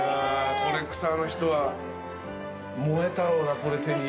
コレクターの人は燃えたろうなこれ手に入れるの。